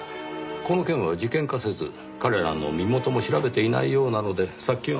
この件は事件化せず彼らの身元も調べていないようなので早急に。